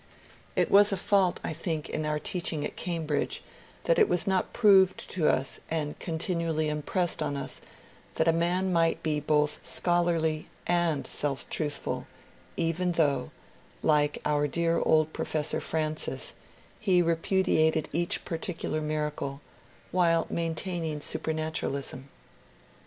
It was a fault, I think, in our teaching at Cambridge that it was not proved to us and continually impressed on us, that a man might be both scholarly and self truthful even though, like our dear old Professor Francis, he repudiated each particular miracle, while maintaining supematuralism.